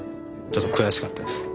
ちょっと悔しかったです。